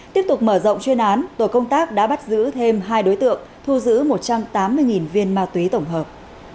tiếp tục mở rộng chuyên án tổ công tác đã bắt giữ thêm hai đối tượng thu giữ một trăm tám mươi viên ma túy tổng hợp